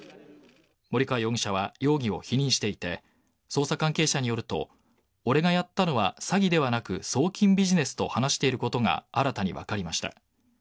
森川容疑者は容疑を否認していて捜査関係者によると俺がやったのは詐欺ではなく送金ビジネスと話していることが新たに分かりました。